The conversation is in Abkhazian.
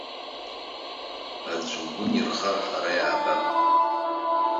Аӡәы угәы нирхар, ҳара иаабап.